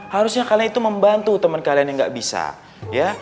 harusnya kalian itu membantu teman kalian yang tidak bisa